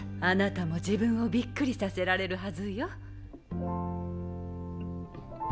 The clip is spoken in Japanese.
あなたも自分をビックリさせられるはずよ。